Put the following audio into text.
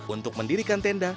untuk mendirikan tenda